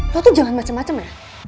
lo tuh jangan macem macem ya